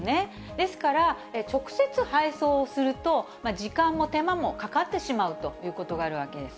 ですから、直接配送すると、時間も手間もかかってしまうということがあるわけです。